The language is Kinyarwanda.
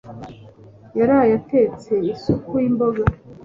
Yaraye atetse isupu yimboga